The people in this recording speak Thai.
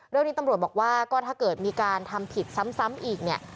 เรื่องนี้ตำรวจบอกว่าก็ถ้าเกิดมีการทำผิดซ้ำอีกเนี่ย